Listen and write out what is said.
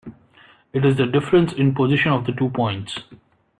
It is the difference in position of the two points.